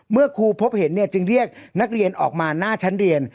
เมื่อครูพบเห็นจึงเรียกนักเรียนออกมาหน้าชั้นเรียน